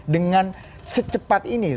dengan secepat ini